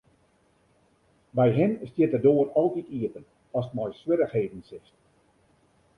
By him stiet de doar altyd iepen ast mei swierrichheden sitst.